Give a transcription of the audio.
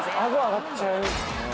顎上がっちゃう。